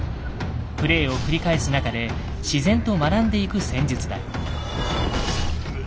プレイを繰り返す中で自然と学んでいく戦術だ。